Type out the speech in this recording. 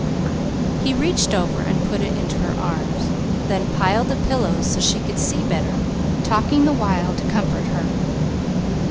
He reached over and put it into her arms, then piled the pillows so she could see better, talking the while to comfort her.